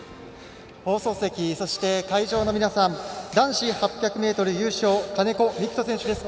放送席、そして会場の皆さん男子８００ｍ優勝金子魅玖人選手です。